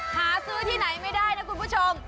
หาซื้อที่ไหนไม่ได้นะคุณผู้ชม